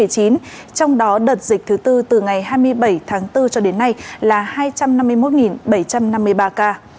trong đó đợt dịch thứ tư từ ngày hai mươi bảy tháng bốn cho đến nay là hai trăm năm mươi một bảy trăm năm mươi ba ca